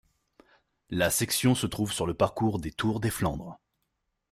La section se trouve sur le parcours du Tour des Flandres.